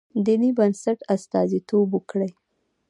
دیني بنسټ استازیتوب وکړي.